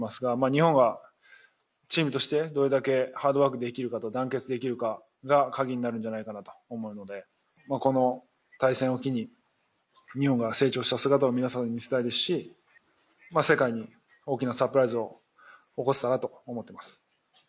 日本がチームとしてどれだけハードワークできるかと団結できるかが鍵になるんじゃないかなと思うので、この対戦を機に日本が成長した姿を皆さんに見せたいですしまた世界に大きなサプライズを起こせたらなと思っています。